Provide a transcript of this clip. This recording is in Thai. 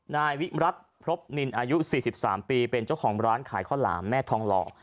นายวิรัติพรบนินอายุ๔๓ปีเป็นเจ้าของร้านขายข้าวหลามแม่ทองหล่อ